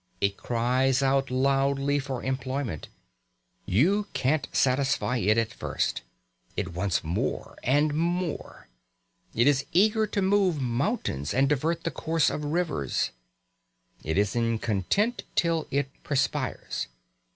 It cries out loudly for employment; you can't satisfy it at first; it wants more and more; it is eager to move mountains and divert the course of rivers. It isn't content till it perspires.